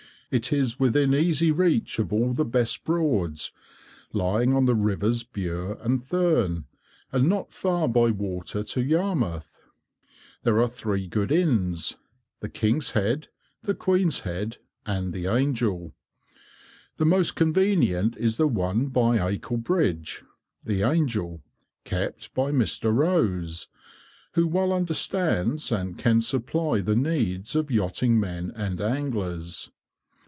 It is within easy reach of all the best Broads, lying on the rivers Bure and Thurne, and not far by water to Yarmouth. There are three good inns—the "King's Head," the "Queen's Head," and the "Angel." The most convenient is the one by Acle bridge (the "Angel"), kept by Mr. Rose, who well understands and can supply the needs of yachting men and anglers.